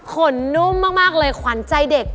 ขนนุ่มมากเลยขวัญใจเด็ก